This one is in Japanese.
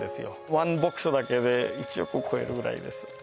ワンボックスだけで１億超えるぐらいです